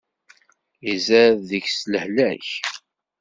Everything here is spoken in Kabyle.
Izad deg-s lehlak.